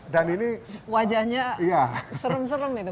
dan ini nih ada wajahnya serem serem nih